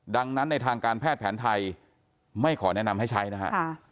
ดังนั้นในทางการแพทย์แผนไทยไม่ขอแนะนำให้ใช้นะฮะ